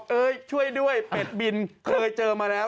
เอ้ยช่วยด้วยเป็ดบินเคยเจอมาแล้ว